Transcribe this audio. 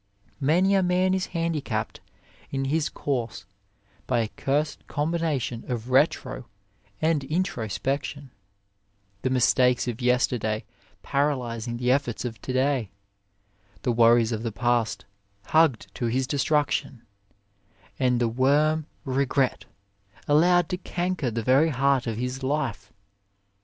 Many a man is handicapped in his course by a cursed combina tion of retro and intro spection, the mistakes of yesterday para lysing the efforts of to day, the worries of the past hugged to his destruction, and the worm Regret allowed to canker the very heart of his life.